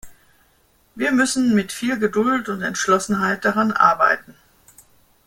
Wir müssen mit viel Geduld und Entschlossenheit daran arbeiten.